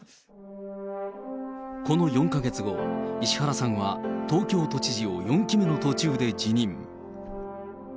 この４か月後、石原さんは東京都知事を４期目の途中で辞任。